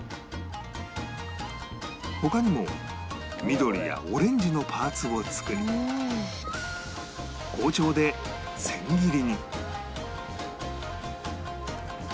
他にも緑やオレンジのパーツを作り包丁で千切りに